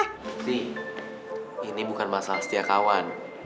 tapi ini bukan masalah setiakawan